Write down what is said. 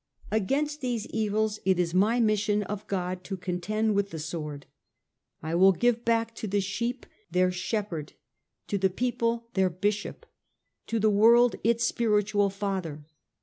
Against these evils it is my mission of God to contend with the sword. I will give back to the sheep their THE SECOND EXCOMMUNICATION 175 shepherd, to the people their bishop, to the world its spiritual father.